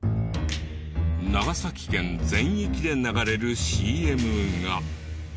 長崎県全域で流れるＣＭが。